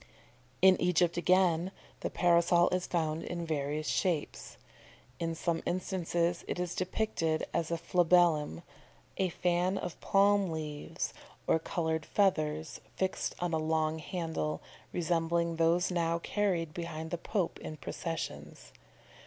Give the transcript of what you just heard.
In Egypt again, the Parasol is found in various shapes. In some instances it is depicted as a flabellum, a fan of palm leaves or coloured feathers fixed on a long handle, resembling those now carried behind the Pope in processions.